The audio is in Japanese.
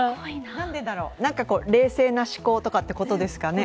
何でだろう、冷静な思考とかってことですかね。